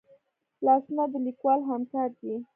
لاسونه د لیکوال همکار دي